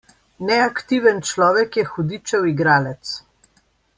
Neaktiven človek je hudičev igralec.